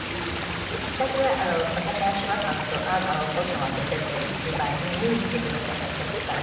きっかけは私が柴さんとあなたのお父様と出てる芝居に見に来てくださった時から。